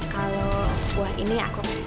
kalau buah ini aku